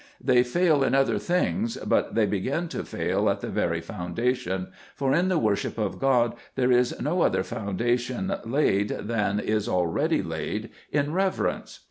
They fail in other things, but they begin to fail at the very foundation ; for in the worship of God there is no other foun dation laid than is already laid, — in reverence.